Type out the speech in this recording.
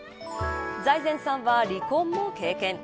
財前さんは離婚も経験。